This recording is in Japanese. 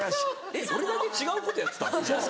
えっ俺だけ違うことやってた？